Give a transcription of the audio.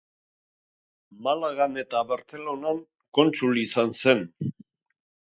Malagan eta Bartzelonan kontsul izan zen.